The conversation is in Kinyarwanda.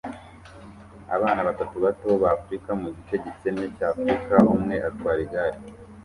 abana batatu bato ba africa mugice gikennye cya africa umwe atwara igare